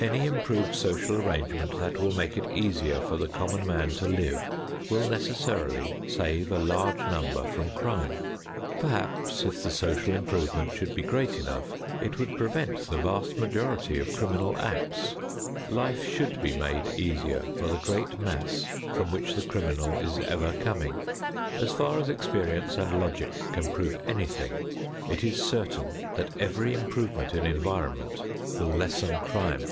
Any improved social arrangement that will make it easier for the common man to live will necessarily save a large number from crime. Perhaps if the social improvement should be great enough it would prevent the vast majority of criminal acts. Life should be made easier for the great mass from which the criminal is ever coming. As far as experience and logic can prove anything, it is certain that every improvement in environment will lessen crime.